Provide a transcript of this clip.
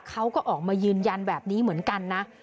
เขาก็ออกมายืนยันแบบนี้เหมือนกันนะ